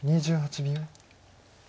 ２８秒。